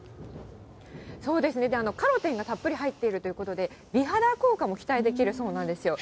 そうですね、カロテンがたっぷり入っているということで、美肌効果も期待できるそうなんですよ。